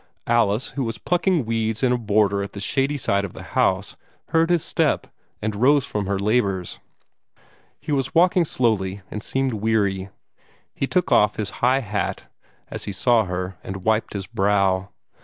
Alice, who was plucking weeds in a border at the shady side of the house, heard his step, and rose from her labors. He was walking slowly, and seemed weary. He took off his high hat, as he saw her, and wiped his brow.